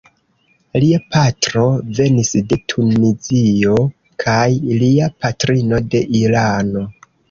Lia patro venis de Tunizio kaj lia patrino de Irano.